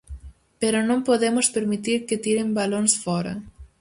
Pero non podemos permitir que tiren balóns fóra.